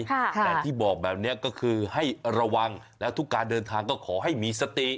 แต่ที่บอกแบบนี้ก็คือให้ระวังแล้วทุกการเดินทางก็ขอให้มีสติ